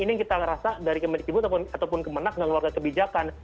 ini yang kita merasa dari kemenik ibu ataupun kemenak dan keluarga kebijakan